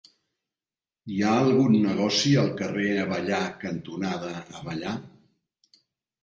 Hi ha algun negoci al carrer Avellà cantonada Avellà?